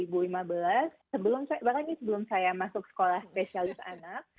bahkan ini sebelum saya masuk sekolah spesialis anak